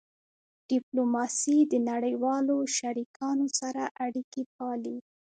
ډیپلوماسي د نړیوالو شریکانو سره اړیکې پالي.